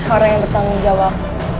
orang yang bertanggung jawab